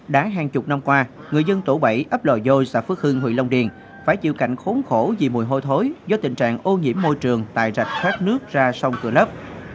đã hàng chục năm qua người dân tổ bảy ấp lò dôi xã phước hưng huyện long điền phải chịu cảnh khốn khổ vì mùi hôi thối do tình trạng ô nhiễm môi trường tại rạch thoát nước ra sông cửa lấp